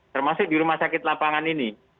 termasuk di rumah sakit lapangan ini